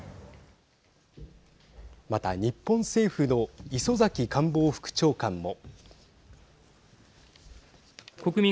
また、日本政府の磯崎官房副長官も。